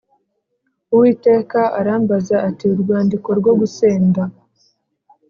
Uwiteka arambaza ati urwandiko rwo gusenda